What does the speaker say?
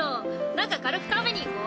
なんか軽く食べにいこう。